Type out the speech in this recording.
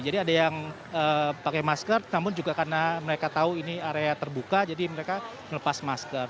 jadi ada yang pakai masker namun juga karena mereka tahu ini area terbuka jadi mereka melepas masker